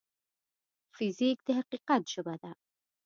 فزیک د حقیقت ژبه ده.